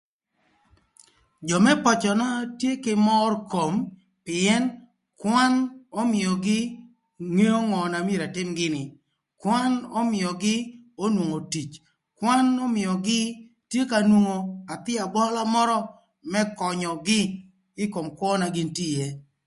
Jö më pacöna tye kï mör kom pïën kwan ömïögï ngeo ngö na myero ëtïm gïnï, kwan ömïögï onwongo tic, kwan ömïögï tye ka nwongo athï aböla mörö më könyögï ï kom kwö na gïn tye ïë.